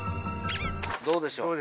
どうでしょう？